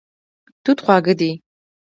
توت خواږه دی.